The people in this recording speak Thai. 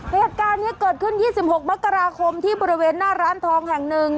เหตุการณ์นี้เกิดขึ้น๒๖มกราคมที่บริเวณหน้าร้านทองแห่งหนึ่ง